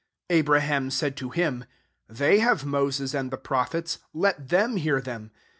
29 " Abraham said to him; < They have Moses and the prophets ; let them hear them.